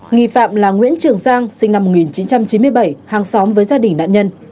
nghi phạm là nguyễn trường giang sinh năm một nghìn chín trăm chín mươi bảy hàng xóm với gia đình nạn nhân